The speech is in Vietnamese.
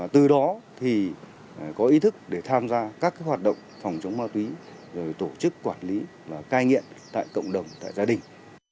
từ đó thì có ý thức để tham gia các hoạt động phòng chống ma túy rồi tổ chức quản lý và cai nghiện tại cộng đồng tại gia đình